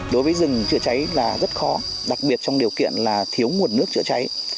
đối với rừng chữa cháy là rất khó đặc biệt trong điều kiện là thiếu nguồn nước chữa cháy